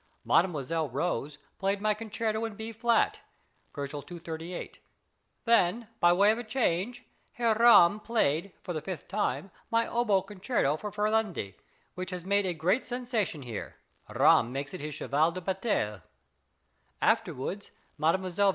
Mdlle. Rose played my concerto in B flat (238 K.); then, by way of a change, Herr Ramm played for the fifth time my oboe concerto for Ferlendi, which has made a great sensation here; Ramm makes it his cheval de bataille. Afterwards Mdlle.